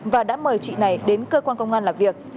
và đã mời chị này đến cơ quan công an làm việc